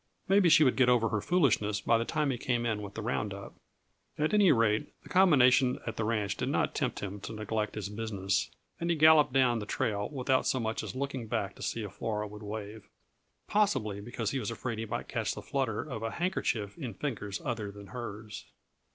Maybe she would get over her foolishness by the time he came in with the round up. At any rate, the combination at the ranch did not tempt him to neglect his business, and he galloped down the trail without so much as looking back to see if Flora would wave possibly because he was afraid he might catch the flutter of a handkerchief in fingers other than hers.